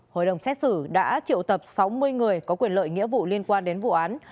hội đồng xét xử đã triệu tập sáu mươi người có quyền lợi nghĩa vụ liên quan đến vụ án